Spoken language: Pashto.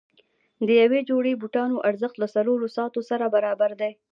د یوې جوړې بوټانو ارزښت له څلورو ساعتونو سره برابر دی.